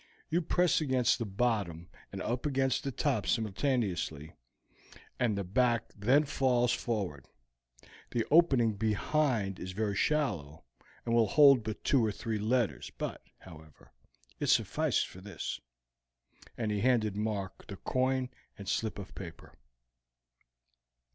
You press against the bottom and up against the top simultaneously, and the back then falls forward. The opening behind is very shallow, and will hold but two or three letters. But, however, it sufficed for this;" and he handed Mark the coin and slip of paper.